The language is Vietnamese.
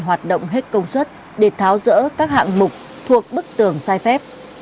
hoạt động hết công suất để tháo rỡ các hạng mục thuộc bức tường sai phép